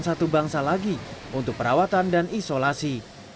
satu bangsa lagi untuk perawatan dan isolasi